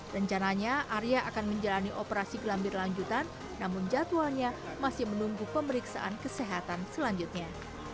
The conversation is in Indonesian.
rencananya arya akan menjalani operasi gelambir lanjutan namun jadwalnya masih menunggu pemeriksaan kesehatan selanjutnya